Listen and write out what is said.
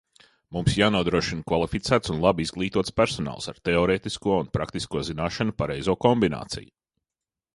Mums jānodrošina kvalificēts un labi izglītots personāls ar teorētisko un praktisko zināšanu pareizo kombināciju.